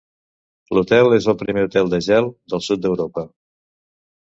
L'hotel és el primer hotel de gel del sud d'Europa.